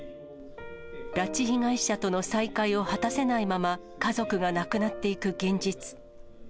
拉致被害者との再会を果たせないまま、家族が亡くなっていく現実。